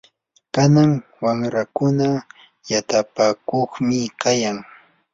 kanan wamrakuna yatapakuqmi kayan.